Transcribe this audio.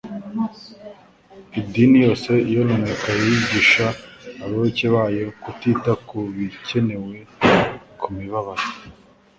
Idini yose yononekaye yigisha abayoboke bayo kutita ku bikenewe ku mibabaro